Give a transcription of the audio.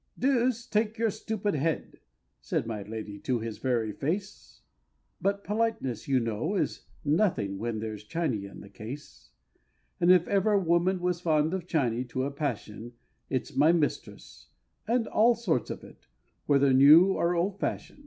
"Deuce take your stupid head!" says my Lady to his very face; But politeness, you know, is nothing when there's Chiney in the case; And if ever a woman was fond of Chiney to a passion, It's my mistress, and all sorts of it, whether new or old fashion.